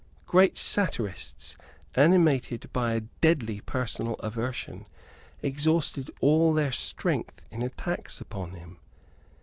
Great satirists, animated by a deadly personal aversion, exhausted all their strength in attacks upon him.